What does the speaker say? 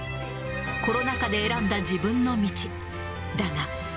コロナ禍で選んだ自分の道。